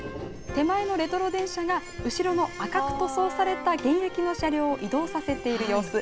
手前のレトロ電車が後ろの赤く塗装された現役の車両を移動させている様子。